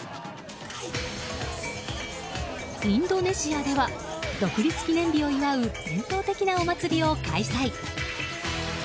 インドネシアでは独立記念日を祝う伝統的なお祭りを開催。